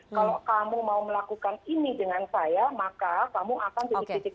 kalau kamu mau melakukan ini dengan saya maka kamu akan titik titik